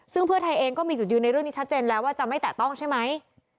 ซึ่งเพื่อไทยเองก็มีจุดยืนในเรื่องนี้ชัดเจนแล้วว่าจะไม่แตะต้องใช่ไหม